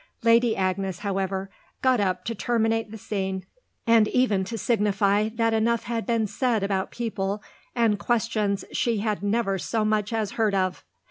Lady Agnes, however, got up to terminate the scene and even to signify that enough had been said about people and questions she had never so much as heard of.